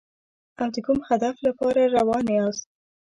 او د کوم هدف لپاره روان یاست.